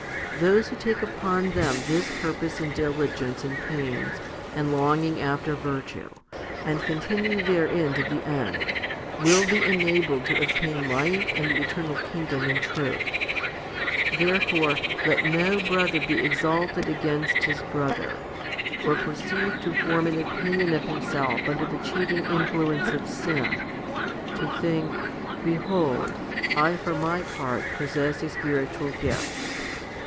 Those who take upon them this purpose and diligence and pains and longing after virtue, and continue therein to the end, will be enabled to obtain life and the eternal kingdom in truth. Therefore let no brother be exalted against his brother, or proceed to form an opinion of himself under the cheating influence of sin, to think, " Behold, I for my part possess a spiritual gift."